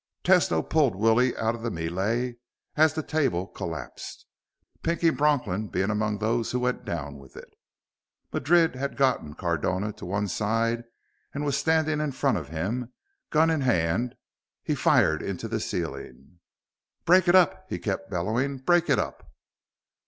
Tesno pulled Willie out of the melee as the table collapsed, Pinky Bronklin being among those who went down with it. Madrid had gotten Cardona to one side and was standing in front of him, gun in hand. He fired into the ceiling. "Break it up!" he kept bellowing. "Break it up!"